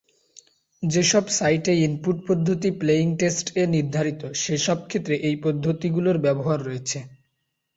যেসব সাইটে ইনপুট পদ্ধতি প্লেইন টেক্সট এ নির্ধারিত, সেসব ক্ষেত্রে এই পদ্ধতিগুলোর ব্যবহার রয়েছে।